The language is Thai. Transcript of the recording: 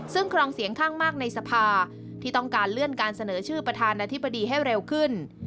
ซึ่งครองเสียงข้างมากในสภาที่ต้องการเลื่อนการเสนอชื่อประธานาธิบดีให้เร็วขึ้น